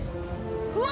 うわ！